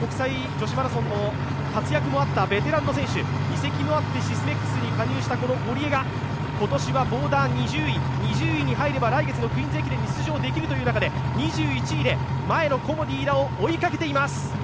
大阪女子マラソンの活躍もあってのベテランの選手、移籍もあってシスメックスの加入した堀江が今年は２０位に入れば来月の「クイーンズ駅伝」に出場できるという中で２１位で前のコモディイイダを追いかけています！